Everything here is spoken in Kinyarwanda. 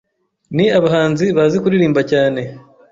ni abahanzi bazi kuririmba cyane